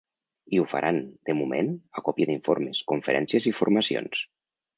I ho faran, de moment, a còpia d’informes, conferències i formacions.